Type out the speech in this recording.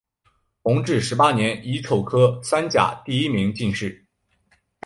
弘治十八年乙丑科三甲第一名进士。